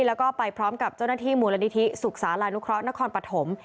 แล้วก็ไปพร้อมกับเจ้าหน้าที่มูลนิธิสุขศาลานุเคราะหนครปฐม